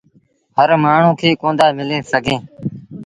هر مآڻهوٚݩ کي ڪوندآ مليٚ سگھيٚن۔